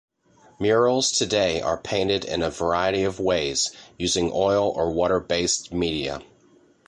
Murals today are painted in a variety of ways, using oil or water-based media.